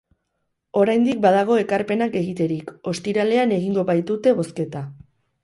Oraindik badago ekarpenak egiterik, ostiralean egingo baitute bozketa.